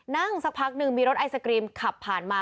สักพักหนึ่งมีรถไอศกรีมขับผ่านมา